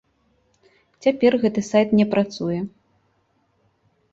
Цяпер гэты сайт не працуе.